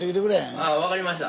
ああ分かりました。